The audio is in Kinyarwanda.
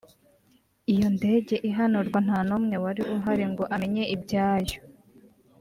iyo ndege ihanurwa ntanumwe wari uhari ngo amenye ibyayo